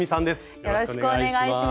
よろしくお願いします。